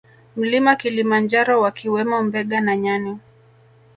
Mlima Kilimanjaro wakiwemo mbega na nyani